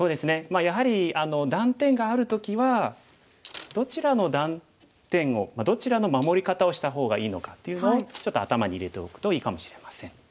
やはり断点がある時はどちらの断点をどちらの守り方をした方がいいのかっていうのをちょっと頭に入れておくといいかもしれません。